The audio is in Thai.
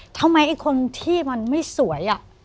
ทำไมไอ้คนที่มันไม่สวย